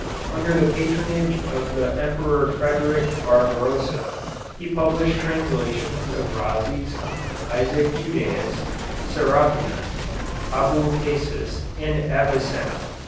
Under the patronage of the Emperor Frederick Barbarossa, he published translations of Rhazes, Isaac Judæus, Serapion, Abulcasis, and Avicenna.